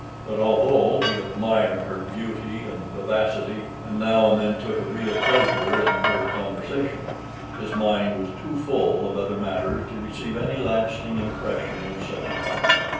But although he admired her beauty and vivacity, and now and then took a real pleasure in her conversation, his mind was too full of other matters to receive any lasting impression of such a kind.